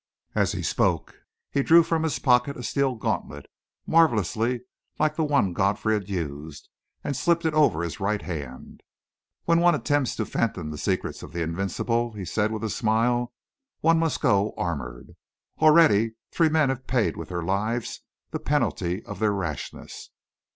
As he spoke, he drew from his pocket a steel gauntlet, marvellously like the one Godfrey had used, and slipped it over his right hand. "When one attempts to fathom the secrets of L'Invincible" he said with a smile, "one must go armoured. Already three men have paid with their lives the penalty of their rashness."